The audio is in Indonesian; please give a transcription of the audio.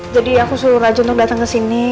jadi aku suruh raja untuk datang kesini